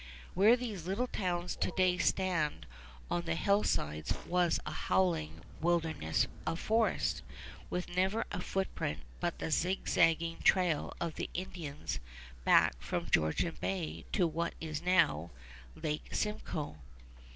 Where these little towns to day stand on the hillsides was a howling wilderness of forest, with never a footprint but the zigzagging trail of the Indians back from Georgian Bay to what is now Lake Simcoe.